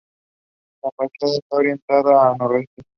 La fachada está orientada a noreste.